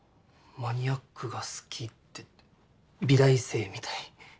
マニアックが好きって美大生みたい。